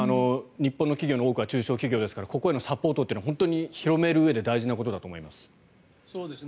日本の企業の多くは中小企業ですからここへのサポートは本当に広めるうえで大事なことだと思います。